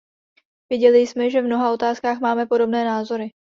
Viděli jsme, že v mnoha otázkách máme podobné názory.